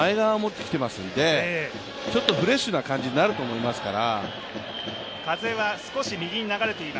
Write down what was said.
そういう意味では３番に前川を持ってきているので、ちょっとフレッシュな感じになると思いますから。